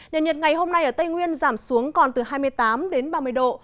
nền nhiệt ngày hôm nay ở tây nguyên giảm xuống còn từ hai mươi tám đến ba mươi độ